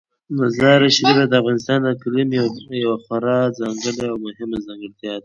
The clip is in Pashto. مزارشریف د افغانستان د اقلیم یوه خورا ځانګړې او مهمه ځانګړتیا ده.